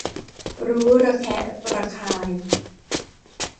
รู้ระแคะระคาย